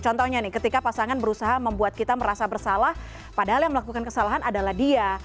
contohnya nih ketika pasangan berusaha membuat kita merasa bersalah padahal yang melakukan kesalahan adalah dia